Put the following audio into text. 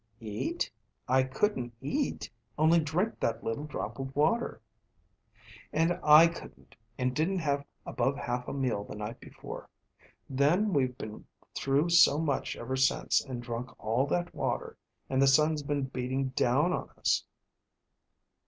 "Eat? I couldn't eat, only drink that little drop of water." "And I couldn't, and didn't have above half a meal the night before. Then we've been through so much ever since, and drunk all that water, and the sun's been beating down on us."